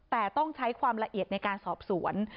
แต่ต้องใช้ความละเอียดในการสอบสวน